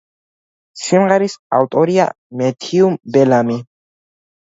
სიმღერის ავტორია მეთიუ ბელამი.